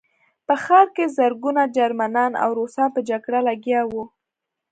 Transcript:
په ښار کې زرګونه جرمنان او روسان په جګړه لګیا وو